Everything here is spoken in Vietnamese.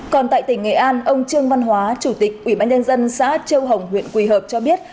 còn tại tỉnh nghệ an ông trương văn hóa chủ tịch ubnd xã châu hồng huyện quỳ hợp cho biết